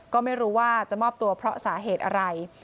ก็ไม่รู้ว่าจะมอบตัวเพราะสาเหตุอะไร